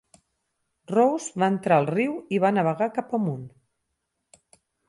Rous va entrar al riu i va navegar cap amunt.